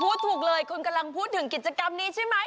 พูดถูกเลยคุณกำลังพูดถึงกิจกรรมนี้ใช่ไหม